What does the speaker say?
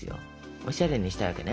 おしゃれにしたいわけね。